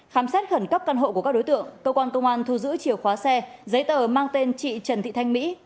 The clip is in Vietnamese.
khám xét khẩn cấp căn hộ của các đối tượng cơ quan công an thu giữ chìa khóa xe giấy tờ mang tên chị trần thị thanh mỹ